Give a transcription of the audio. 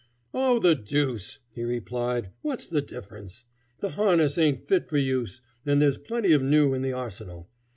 "Oh, the deuce!" he replied. "What's the difference? The harness ain't fit for use and there's plenty of new in the arsenal.